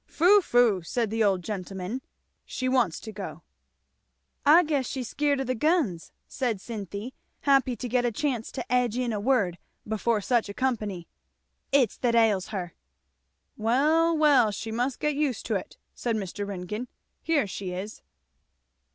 "Pho, pho," said the old gentleman, "she wants to go." "I guess she's skeered o' the guns," said Cynthy, happy to get a chance to edge in a word before such company; "it's that ails her." "Well, well, she must get used to it," said Mr. Ringgan. "Here she is!"